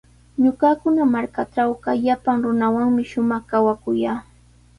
Ñuqakuna markaatrawqa llapan runawanmi shumaq kawakuyaa.